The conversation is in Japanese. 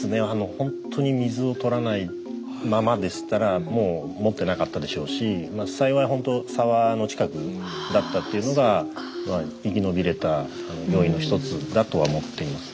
ほんとに水をとらないままでしたらもうもってなかったでしょうし幸いほんと沢の近くだったっていうのが生き延びれた要因の一つだとは思っています。